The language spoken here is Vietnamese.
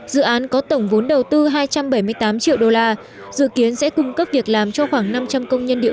dự án có tổng vốn đầu tư hai trăm bảy mươi tám triệu đô la dự kiến sẽ cung cấp việc làm cho khoảng năm trăm linh công nhân địa